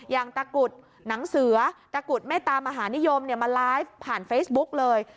อย่างตะกุดหนังเสือตะกุดเมตตามหานิยมมาไลฟ์ผ่านเฟซบุ๊กเลย